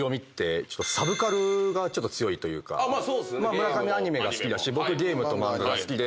村上アニメが好きだし僕ゲームと漫画が好きで。